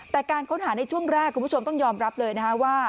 แต่การค้นหาในช่วงแรกคุณผู้ชมต้องยอมรับเลยนะคะว่า